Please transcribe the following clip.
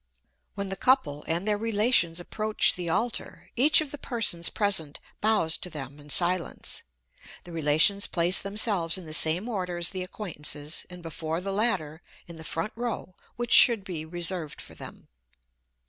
When the couple and their relations approach the altar, each of the persons present bows to them in silence; the relations place themselves in the same order as the acquaintances, and before the latter, in the front row, which should be reserved for them.